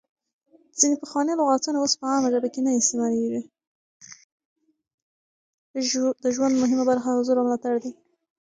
د ژوند مهمه برخه حضور او ملاتړ دی.